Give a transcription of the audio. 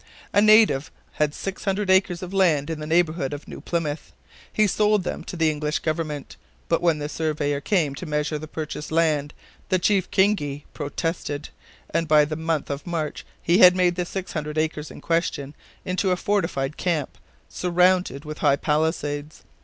A native had six hundred acres of land in the neighborhood of New Plymouth. He sold them to the English Government; but when the surveyor came to measure the purchased land, the chief Kingi protested, and by the month of March he had made the six hundred acres in question into a fortified camp, surrounded with high palisades.